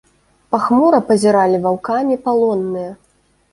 Пахмура пазіралі ваўкамі палонныя.